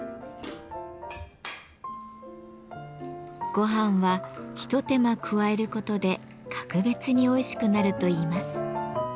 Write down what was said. ごはんは一手間加えることで格別においしくなるといいます。